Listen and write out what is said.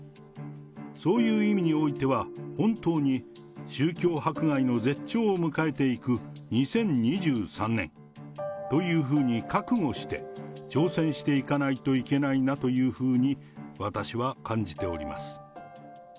そういう意味においては、本当に宗教迫害の絶頂を迎えていく２０２３年というふうに覚悟して、挑戦していかないといけないなというふうに、私は感じております。